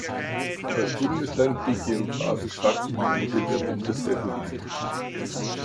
Das Bundesland liegt geographisch fast in der Mitte der Bundesrepublik